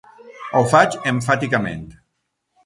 Ho faig emfàticament.